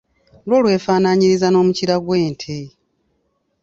Lwo lwefaananyiriza n’omukira gw'ente.